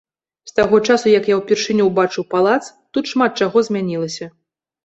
З таго часу як я ўпершыню ўбачыў палац, тут шмат чаго змянілася.